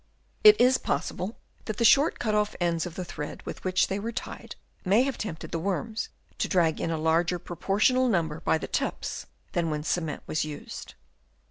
It is possible that the short cut off ends of the thread with which they were tied, may have tempted the worms to drag in a larger propor tional number by the tips than when cement was used.